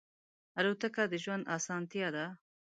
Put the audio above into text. الوتکه د ژوند آسانتیا ده.